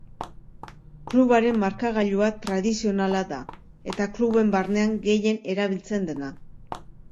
Klubaren markagailua tradizionala da eta kluben barnean gehien erabiltzen dena.